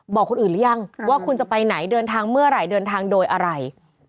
บอกคนอื่นหรือยังว่าคุณจะไปไหนเดินทางเมื่อไหร่เดินทางโดยอะไร